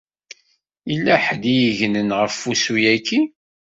Yella ḥedd i yegnen ɣef wussu-yaki.